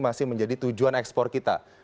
masih menjadi tujuan ekspor kita